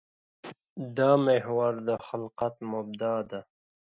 دا محور د خلقت مبدا ده.